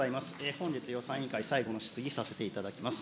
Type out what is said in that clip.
本日、予算委員会最後の質疑させていただきます。